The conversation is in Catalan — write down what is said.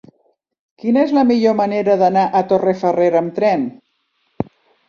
Quina és la millor manera d'anar a Torrefarrera amb tren?